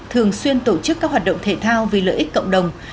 thường xuyên tổ chức các hoạt động thể thao vì lợi ích cộng đồng